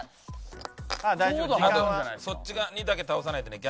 そっち側にだけ倒さないでね。